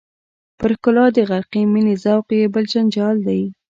پر ښکلا د غرقې مینې ذوق یې بل جنجال دی.